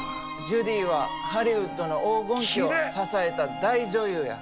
ジュディはハリウッドの黄金期を支えた大女優や。